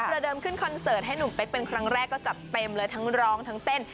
เดิมขึ้นคอนเสิร์ตให้หนุ่มเป๊กเป็นครั้งแรกก็จัดเต็มเลยทั้งร้องทั้งเต้น